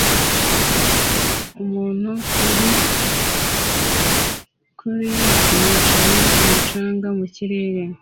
umuntu kuri yicaye kumu canga mu kirere